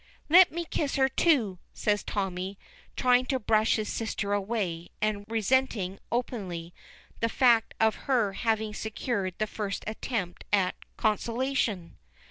"Let me kiss her, too," says Tommy, trying to push his sister away, and resenting openly the fact of her having secured the first attempt at consolation.